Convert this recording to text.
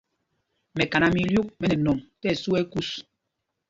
Mɛkaná mɛ ílyûk mɛ nɛ nɔm tí ɛsu kús.